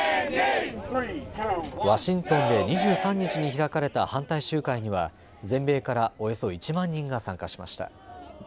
ワシントンで２３日に開かれた反対集会には全米からおよそ１万人が参加しました。